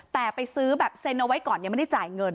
แต่ไปซื้อแบบเซ็นเอาไว้ก่อนยังไม่ได้จ่ายเงิน